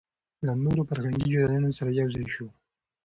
له نورو فرهنګي جريانونو سره يوځاى شو